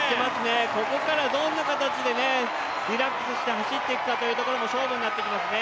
ここからどんな形でリラックスして走っていくかも勝負になっていきますね。